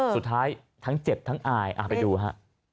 สุดท้ายทั้งเจ็บทั้งอายไปดูฮะ